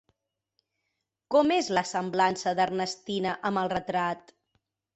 Com és la semblança d'Ernestina amb el retrat?